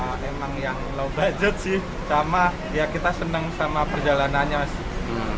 ya emang yang low budget sih sama ya kita senang sama perjalanannya sih